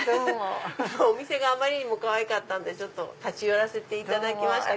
お店があまりにもかわいかったんで立ち寄らせていただきました。